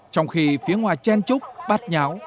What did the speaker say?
trong khi phía ngoài chen trúc bắt nháo